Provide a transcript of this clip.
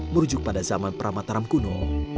merujuk pada zaman pramataram kuno